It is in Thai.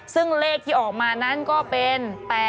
ซึ่งเลขที่ออกมานั้นก็เป็น๘๘